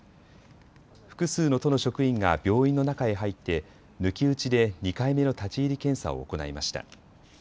複数の都の職員が病院の中へ入って抜き打ちで２回目の立ち入り検査を行いました。